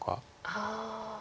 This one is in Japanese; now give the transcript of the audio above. ああ。